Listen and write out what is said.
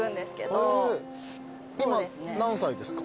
今何歳ですか？